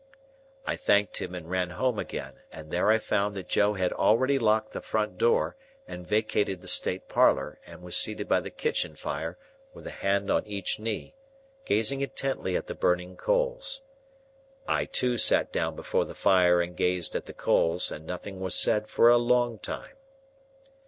I thanked him and ran home again, and there I found that Joe had already locked the front door and vacated the state parlour, and was seated by the kitchen fire with a hand on each knee, gazing intently at the burning coals. I too sat down before the fire and gazed at the coals, and nothing was said for a long time.